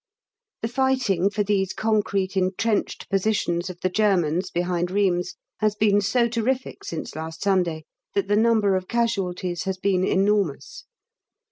The fighting for these concrete entrenched positions of the Germans behind Rheims has been so terrific since last Sunday that the number of casualties has been enormous.